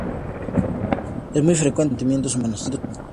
Es muy frecuente en los asentamientos humanos.